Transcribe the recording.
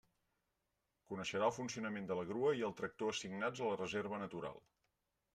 Coneixerà el funcionament de la grua i el tractor assignats a la Reserva Natural.